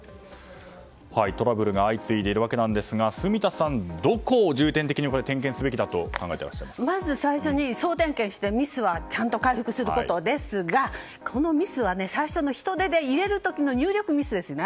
トラブルが相次いでいるわけですが住田さん、どこを重点的に点検すべきだとまず最初に総点検してミスはちゃんと回復することですが、このミスは最初の人で入れる時の入力ミスですね。